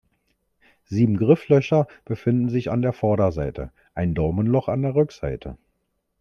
Sieben Grifflöcher befinden sich an der Vorderseite, ein Daumenloch an der Rückseite.